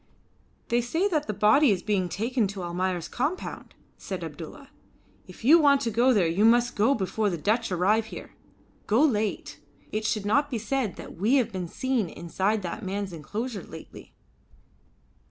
"They say that the body is being taken to Almayer's compound," said Abdulla. "If you want to go there you must go before the Dutch arrive here. Go late. It should not be said that we have been seen inside that man's enclosure lately."